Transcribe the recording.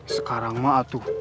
sekarang mah atuh